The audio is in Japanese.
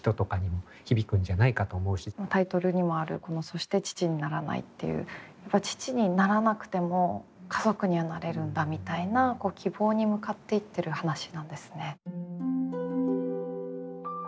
タイトルにもあるこの「そして父にならない」っていう父にならなくても家族にはなれるんだみたいな希望に向かっていってる話なんですね。